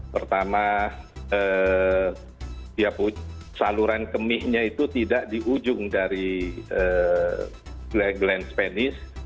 pertama saluran kemihnya itu tidak di ujung dari glens penis